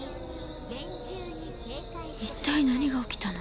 一体何が起きたの。